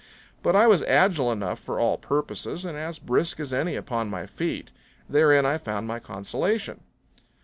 But I was agile enough for all purposes and as brisk as any upon my feet. Therein I found my consolation.